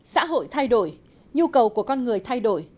xã hội thay đổi nhu cầu của con người thay đổi